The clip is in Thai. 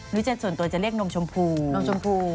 วิเจส่วนตัวจะเรียกนมชมพูนมชมพู